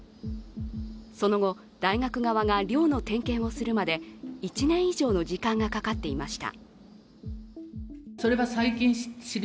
その後、大学側が寮の点検をするまで１年以上の時間がかかっていました